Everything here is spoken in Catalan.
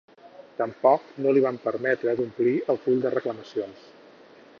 Tampoc no li van permetre d’omplir el full de reclamacions.